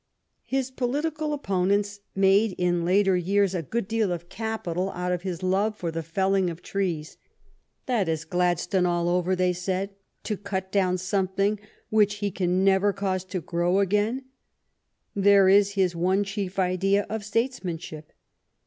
His political opponents made in later years a good deal of capital out of his love for the felling of trees. "That is Gladstone all over," they said —" to cut down something which he can never cause to grow again ; there is his one chief idea of states manship."